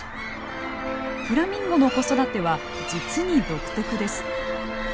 フラミンゴの子育ては実に独特です。